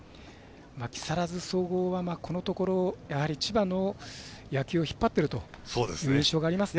木更津総合は、このところ千葉の野球を引っ張っているという印象がありますね。